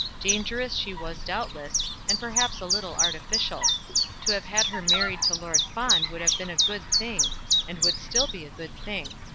Dangerous she was doubtless, and perhaps a little artificial. To have had her married to Lord Fawn would have been a good thing, and would still be a good thing.